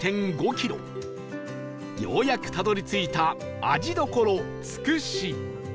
ようやくたどり着いた味どころつくし